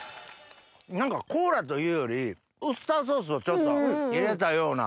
何かコーラというよりウスターソースをちょっと入れたような。